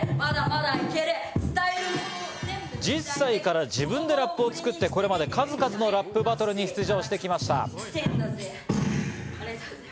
１０歳から自分でラップを作って、これまで数々のラップバトルに出場してきました。